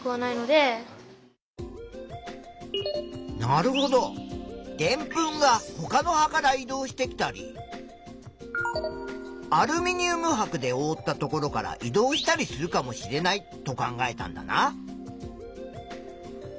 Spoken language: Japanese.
なるほどでんぷんがほかの葉から移動してきたりアルミニウムはくでおおったところから移動したりするかもしれないと考えたんだな。